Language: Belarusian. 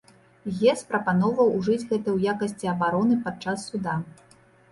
Гес прапаноўваў ужыць гэта ў якасці абароны пад час суда.